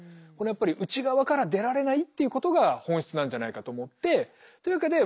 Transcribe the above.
やっぱり内側から出られないっていうことが本質なんじゃないかと思ってというわけで私はですね